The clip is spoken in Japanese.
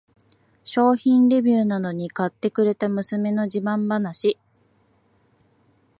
商品レビューなのに買ってくれた娘の自慢話